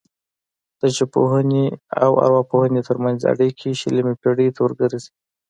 د ژبپوهنې او ارواپوهنې ترمنځ اړیکې شلمې پیړۍ ته ورګرځي